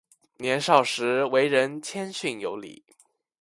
年少时为人谦逊有礼。